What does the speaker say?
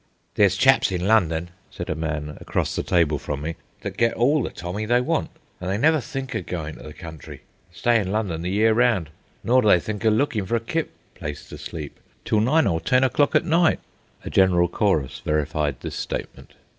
"There's chaps in London," said a man across the table from me, "that get all the tommy they want, an' they never think o' goin' to the country. Stay in London the year 'round. Nor do they think of lookin' for a kip [place to sleep], till nine or ten o'clock at night." A general chorus verified this statement.